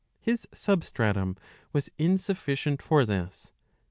His substratum was insufiicient for this.